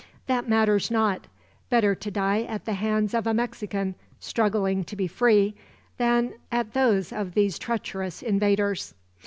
That matters not. Better to die at the hands of a Mexican, struggling to be free, than at those of these treacherous invaders."